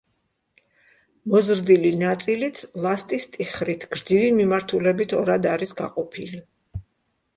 მოზრდილი ნაწილიც ლასტის ტიხრით, გრძივი მიმართულებით ორად არის გაყოფილი.